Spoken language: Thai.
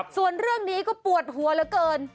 ส่วนเรื่องนี้ก็ปวดหัวเหลือเกิน